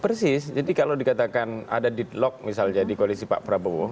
persis jadi kalau dikatakan ada deadlock misalnya di koalisi pak prabowo